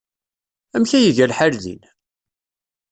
Amek ay iga lḥal din?